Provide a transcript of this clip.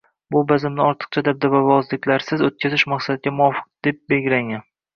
Bu bazmni ortiqcha dabdababozliklarsiz o‘tkazish maqsadga muvofiq deb belgilangan